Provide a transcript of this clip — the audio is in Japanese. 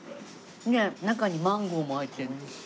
で中にマンゴーも入ってるの。